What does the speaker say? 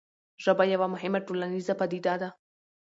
ژبه یوه مهمه ټولنیزه پدیده ده.